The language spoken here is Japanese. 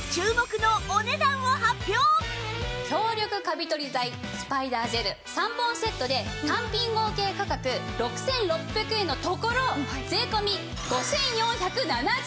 それでは強力カビ取り剤スパイダージェル３本セットで単品合計価格６６００円のところ税込５４７８円です。